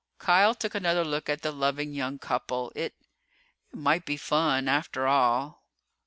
Kial took another look at the loving young couple. "It it might be fun, after all."